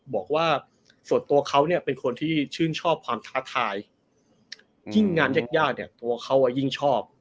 บอกว่าส่วนตัวเขาเนี่ยเป็นคนที่ชื่นชอบความท้าทายยิ่งงานญาติญาติเนี่ยตัวเขายิ่งชอบ